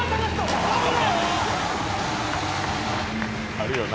あるよな。